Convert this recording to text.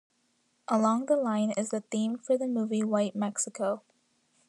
"Along the Line" is the theme for the movie White Mexico.